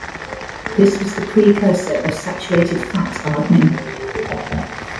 This was the precursor of saturated fat hardening.